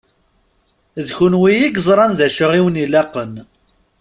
D kenwi i yeẓṛan d acu i wen-ilaqen.